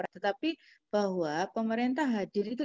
tetapi bahwa pemerintah hadir itu